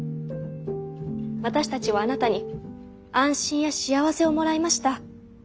私たちはあなたに安心や幸せをもらいました。